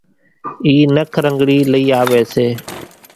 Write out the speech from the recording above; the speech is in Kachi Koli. اِي نک رنڳڻِي لئِي آويَ سي۔